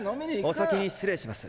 お先に失礼します。